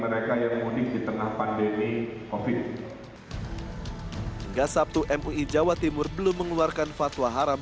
mereka yang mudik di tengah pandemi covid hingga sabtu mui jawa timur belum mengeluarkan fatwa haram